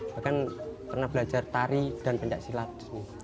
bahkan pernah belajar tari dan pendek silat di sini